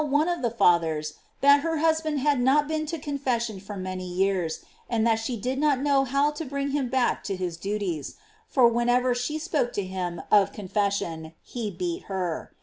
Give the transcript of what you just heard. one of the fathers that her husband had not been to confession for many years, and that she did not know how to bring him back to his duties, for whenever she spoke to him of confession he beat her.